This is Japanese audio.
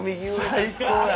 最高や。